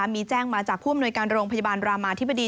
มีแจ้งมาจากผู้อำนวยการโรงพยาบาลรามาธิบดี